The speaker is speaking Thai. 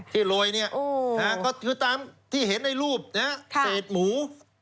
ที่โลยนะก็คือตามที่เห็นในรูปเศษหมู